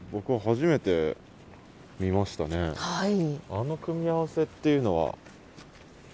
あの組み合わせっていうのは何か。